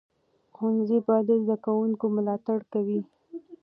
ښوونځی به د زده کوونکو ملاتړ کوي.